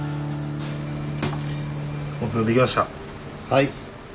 はい。